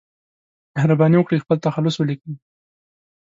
مهرباني وکړئ خپل تخلص ولیکئ